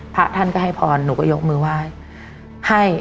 พระท่านก็ให้พรหนูก็ยกมือไหว้